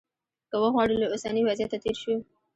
که وغواړو له اوسني وضعیته تېر شو.